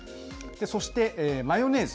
そしてマヨネーズ。